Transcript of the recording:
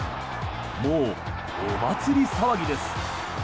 もうお祭り騒ぎです。